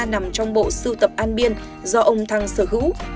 nằm trong bộ sưu tập an biên do ông thăng sở hữu